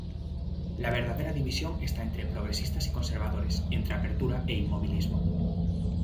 La verdadera división está entre progresistas y conservadores, entre apertura e inmovilismo.